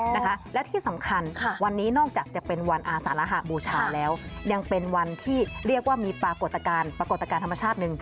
นะคะและที่สำคัญวันนี้นอกจากจะเป็นวันอาสารหะบูชาแล้วยังเป็นวันที่เรียกว่ามีปรากฏการณ์ปรากฏการณ์ธรรมชาติหนึ่ง